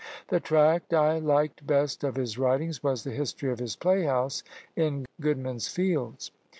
The tract I liked best of his writings was the history of his playhouse in Goodman's Fields.